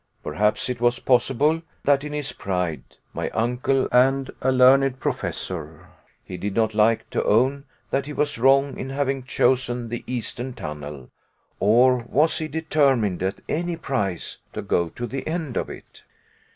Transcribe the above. Perhaps it was possible that in his pride my uncle and a learned professor he did not like to own that he was wrong in having chosen the eastern tunnel, or was he determined at any price to go to the end of it?